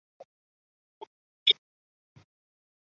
贝克的音乐生涯始于教堂合唱团。